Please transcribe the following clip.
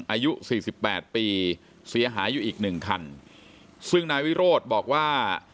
อายุสี่สิบแปดปีเสียหายอยู่อีกหนึ่งคันซึ่งนายวิโรธบอกว่า